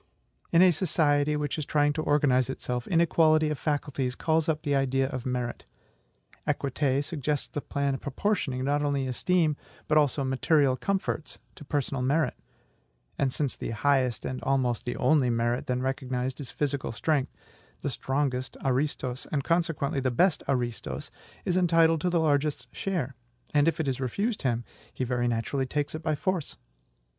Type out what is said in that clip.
In a society which is trying to organize itself, inequality of faculties calls up the idea of merit; equite suggests the plan of proportioning not only esteem, but also material comforts, to personal merit; and since the highest and almost the only merit then recognized is physical strength, the strongest, {GREEK ' eg }, and consequently the best, {GREEK ' eg }, is entitled to the largest share; and if it is refused him, he very naturally takes it by force.